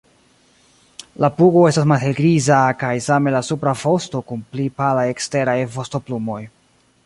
La pugo estas malhelgriza kaj same la supra vosto kun pli palaj eksteraj vostoplumoj.